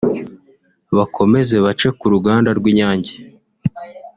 bakomeze bace ku ruganda rw’Inyange